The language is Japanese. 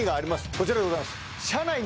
こちらでございます